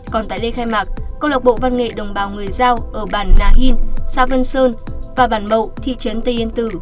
còn tại lễ khai mạc công lộc bộ văn nghệ đồng bào người giao ở bàn nà hìn sa vân sơn và bàn mậu thị trấn tây yên tử